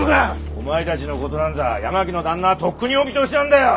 お前たちのことなんざ八巻の旦那はとっくにお見通しなんだよ！